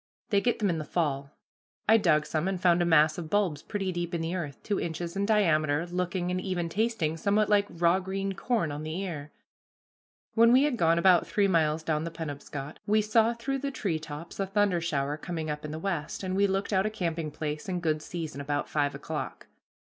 They get them in the fall. I dug some, and found a mass of bulbs pretty deep in the earth, two inches in diameter, looking, and even tasting, somewhat like raw green corn on the ear. When we had gone about three miles down the Penobscot, we saw through the tree tops a thunder shower coming up in the west, and we looked out a camping place in good season, about five o'clock.